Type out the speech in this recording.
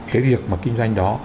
cái việc mà kinh doanh đó